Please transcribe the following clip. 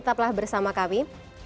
tetaplah bersama kami